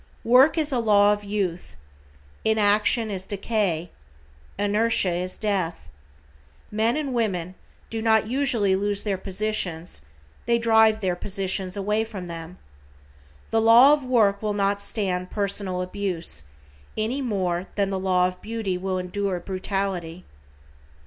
Work is a law of youth. Inaction is decay. Inertia is death. Men and women do not usually lose their positions, they drive their positions away from them. The law of work will not stand personal abuse, any more than the law of beauty will endure brutality.